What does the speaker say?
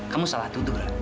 kamu salah tuduh